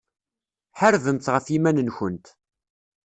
Ḥarbemt ɣef yiman-nkent.